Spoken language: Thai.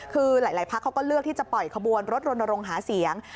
คือหลายพักเขาก็เลือกที่จะปล่อยขบวนรถรณรงค์หาเสียง